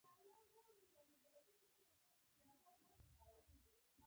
خاموشۍ ته غوږ ونیسئ ډېر څه د ویلو لپاره لري.